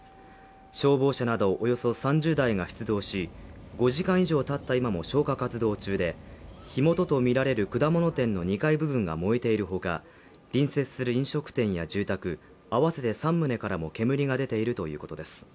消防車などおよそ３０台が出動し、５時間以上たった今も消火活動中で火元とみられる果物店の２階部分が燃えているほか、隣接する飲食店や住宅、合わせて３棟からも煙が出ているということです。